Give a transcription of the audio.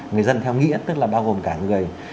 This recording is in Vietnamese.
người dân theo nghĩa tức là bao gồm cả người